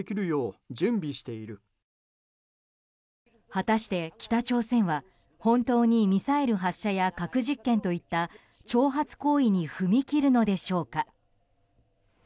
果たして北朝鮮は本当にミサイル発射や核実験といった挑発行為に踏み切るのでしょうか。